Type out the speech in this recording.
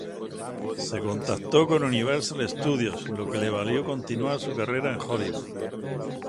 Se contactó con Universal Studios, lo que le valió continuar su carrera en Hollywood.